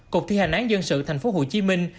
cục thi hành án dân sự thành phố hồ chí minh